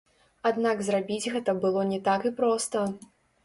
Аднак зрабіць гэта было не так і проста.